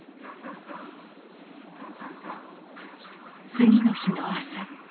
次の日の朝。